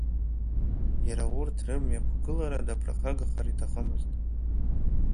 Иара урҭ рымҩақәгылара даԥырхагахар иҭахымызт.